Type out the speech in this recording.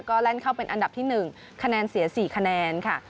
ก็แล่นเข้าเป็นอันดับที่๑คะแนนเสีย๔คะแนนค่ะ